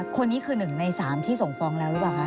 คนนี้คือ๑ใน๓ที่ส่งฟ้องแล้วหรือเปล่าคะ